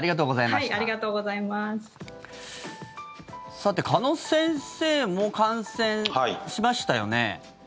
さて、鹿野先生も感染しましたよね。